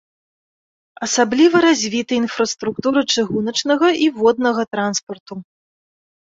Асабліва развіта інфраструктура чыгуначнага і воднага транспарту.